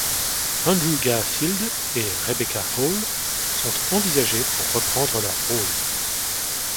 Andrew Garfield et Rebecca Hall sont envisagés pour reprendre leurs rôles.